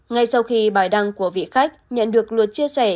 ngay sau khi bài đăng của vị khách nhận được luật chia sẻ